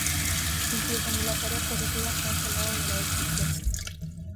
Incluso ni las áreas protegidas se han salvado de la destrucción.